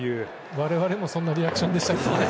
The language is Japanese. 我々もそんなリアクションでしたけど。